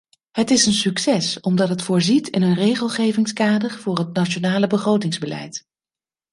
Het is een succes, omdat het voorziet in een regelgevingskader voor het nationale begrotingsbeleid.